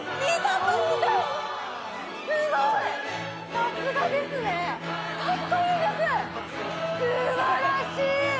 すごい、さすがですね、かっこいいです、すばらしい。